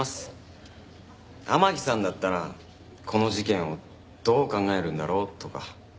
天樹さんだったらこの事件をどう考えるんだろう？とか。